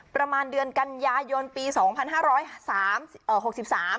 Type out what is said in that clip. ประมาณเดือนกันยายนปีสองพันห้าร้อยสามเอ่อหกสิบสาม